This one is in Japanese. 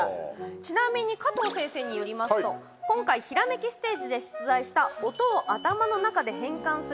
ちなみに加藤先生によりますと今回、ひらめきステージで出題したダジャレお得意ですか？